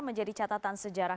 menjadi catatan sejarah